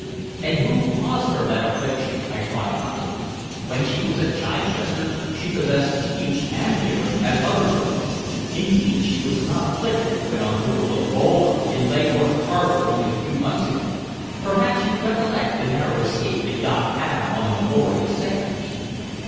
"And who caused her that affliction?" I cried hotly. "When she was at Chichester she possessed speech and hearing as other girls. Indeed, she was not afflicted when on board the Lola in Leghorn harbor only a few months ago. Perhaps you recollect the narrow escape the yacht had on the Meloria sands?"